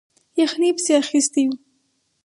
یخنۍ پسې اخیستی وو.